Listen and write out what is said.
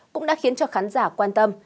cũng đã khiến cho khán giả quan tâm